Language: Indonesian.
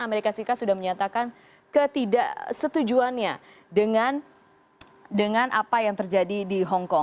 amerika serikat sudah menyatakan ketidaksetujuannya dengan apa yang terjadi di hongkong